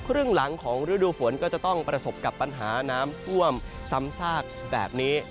ครึ่งหลังของฤดูฝนก็จะต้องประสบกับปัญหาน้ำท่วมซ้ำซากแบบนี้